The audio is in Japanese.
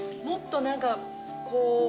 もっと何かこう。